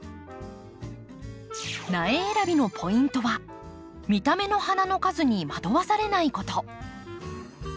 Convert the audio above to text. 苗選びのポイントは見た目の花の数に惑わされないこと。